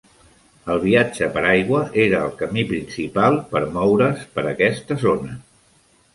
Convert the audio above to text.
El viatge per aigua era el camí principal per moure's per aquesta zona.